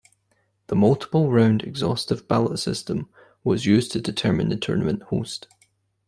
The multiple round exhaustive ballot system was used to determine the tournament host.